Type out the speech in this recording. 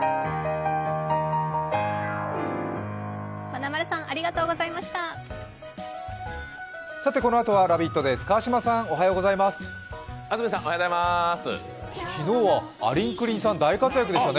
まなまるさんありがとうございました。